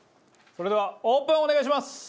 それではオープンをお願いします。